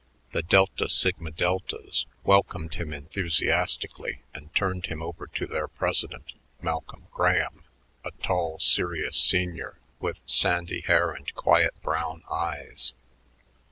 The Delta Sigma Deltas welcomed him enthusiastically and turned him over to their president, Malcolm Graham, a tall serious senior with sandy hair and quiet brown eyes.